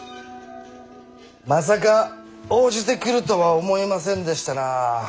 まさか応じてくるとは思いませんでしたな。